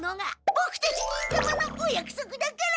ボクたち忍たまのお約束だから。